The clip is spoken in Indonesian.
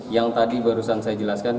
yang tadi barusan saya jelaskan